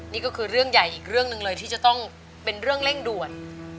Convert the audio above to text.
นี่ก็คือเรื่องใหญ่อีกเรื่องหนึ่งเลยที่จะต้องเป็นเรื่องเร่งด่วน